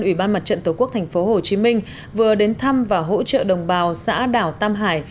ủy ban mặt trận tổ quốc tp hcm vừa đến thăm và hỗ trợ đồng bào xã đảo tam hải